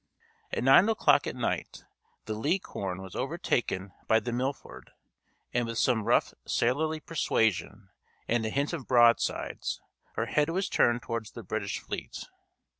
At nine o'clock at night the Licorne was overtaken by the Milford, and with some rough sailorly persuasion, and a hint of broadsides, her head was turned towards the British fleet.